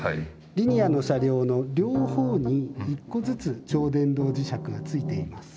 リニアの車両の両方に１個ずつ超電導磁石がついています。